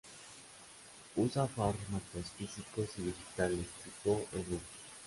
Usa formatos físicos y digitales, tipo e-books.